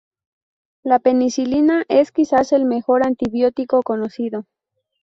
La penicilina es quizás el mejor antibiótico conocido.